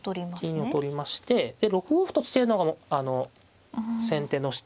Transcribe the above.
金を取りましてで６五歩と突けるのが先手の主張なんですね。